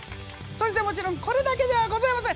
そしてもちろんこれだけではございません。